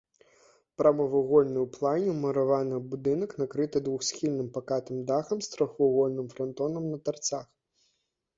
Прамавугольны ў плане мураваны будынак накрыты двухсхільным пакатым дахам з трохвугольнымі франтонамі на тарцах.